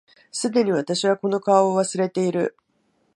既に私はこの顔を忘れている